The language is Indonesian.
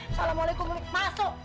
assalamualaikum umi masuk